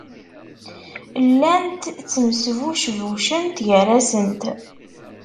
Llant ttmesbucbucen gar-asent.